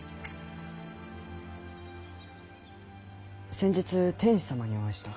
先日天子様にお会いした。